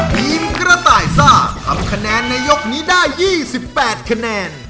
ทีมกระต่ายซ่าทำคะแนนในยกนี้ได้๒๘คะแนน